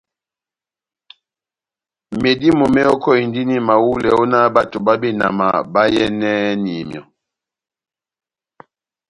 Medímo mehɔkɔhindini mahulɛ ó nah bato bá benama bayɛ́nɛni myɔ́.